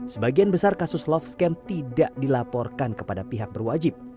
sebagian besar kasus love scam tidak dilaporkan kepada pihak berwajib